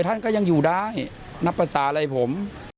ท่านก็ยังอยู่ได้นับประสาได้ผม